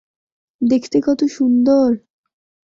দেখতে কতো সুন্দর।